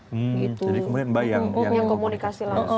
jadi kemudian mbak yang komunikasi langsung